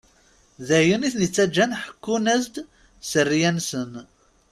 D ayen iten-ittaǧǧan ḥekkun-as-d sseriya-nsen.